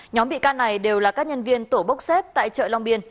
nhóm bị can này đều là các nhân viên tổ bốc xếp tại chợ long biên